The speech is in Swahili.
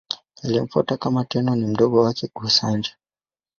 Aliyemfuata kama Tenno ni mdogo wake, Go-Sanjo.